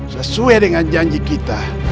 sesuai dengan janji kita